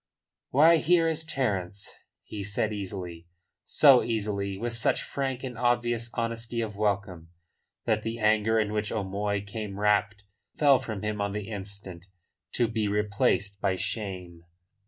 "Why, here is Terence," he said easily so easily, with such frank and obvious honesty of welcome, that the anger in which O'Moy came wrapped fell from him on the instant, to be replaced by shame.